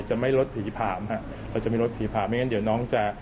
จะไม่ลดผีผามเดี๋ยวน้องจะ